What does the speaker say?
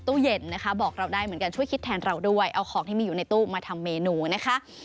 ตู้เย็นนะคะบอกเราได้เหมือนกันช่วยคิดแทนเราด้วยเอาของที่มีอยู่ในตู้มาทำเมนูนะคะ